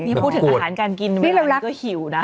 นี่พูดถึงอาหารการกินเวลามันก็หิวน่ะ